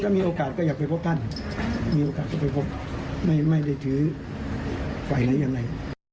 มีโอกาสก็ไปพบไม่ได้ถือฝ่ายไหนยังไง